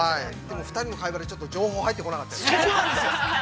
でも、２人の会話で情報入ってこなかったですね。